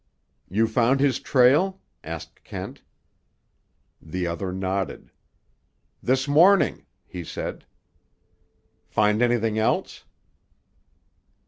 "You found his trail?" asked Kent. The other nodded. "This morning," he said. "Find anything else?"